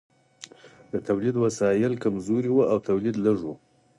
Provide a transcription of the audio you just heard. د تولید وسایل کمزوري وو او تولید لږ و.